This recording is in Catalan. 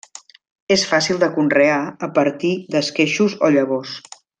És fàcil de conrear a partir d'esqueixos o llavors.